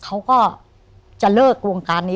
เขาก็จะเลิกวงการนี้